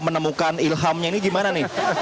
menemukan ilhamnya ini gimana nih